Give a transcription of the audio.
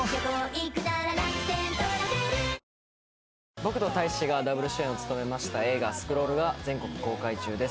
僕と大志がダブル主演を務めました映画『スクロール』が全国公開中です。